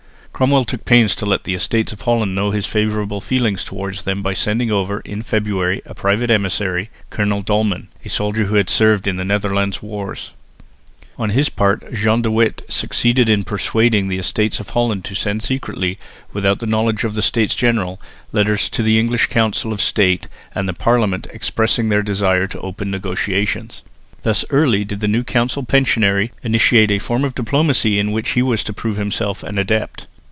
Cromwell took pains to let the Estates of Holland know his favourable feelings towards them by sending over, in February, a private emissary, Colonel Dolman, a soldier who had served in the Netherland wars. On his part John de Witt succeeded in persuading the Estates of Holland to send secretly, without the knowledge of the States General, letters to the English Council of State and the Parliament expressing their desire to open negotiations. Thus early did the new council pensionary initiate a form of diplomacy in which he was to prove himself an adept.